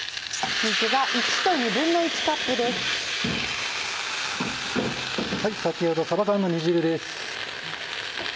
はい先ほどさば缶の煮汁です。